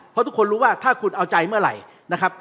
เพราะทุกคนรู้ว่าถ้าคุณเอาใจเมื่อไหร่นะครับ